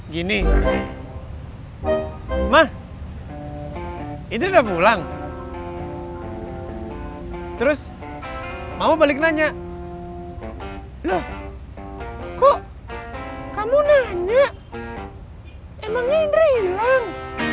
gini mah idri udah pulang terus mama balik nanya loh kok kamu nanya emangnya idri hilang